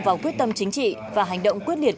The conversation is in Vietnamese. vào quyết tâm chính trị và hành động quyết liệt